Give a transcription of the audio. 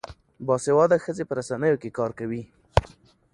باسواده ښځې په رسنیو کې کار کوي.